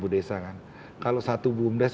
desa kan kalau satu bumdes